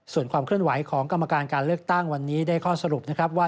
ส่วนความเคลื่อนไหวของกรรมการการเลือกตั้งวันนี้ได้ข้อสรุปนะครับว่า